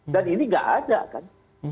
dan ini nggak ada kan